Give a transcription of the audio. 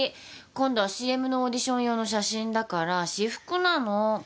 今度はＣＭのオーディション用の写真だから私服なの。